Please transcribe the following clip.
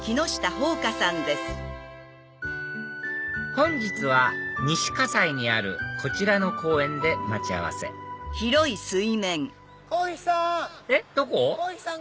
本日は西西にあるこちらの公園で待ち合わせこひさん！